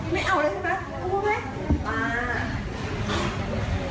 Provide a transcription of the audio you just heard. ไม่เอาเลยใช่ไหม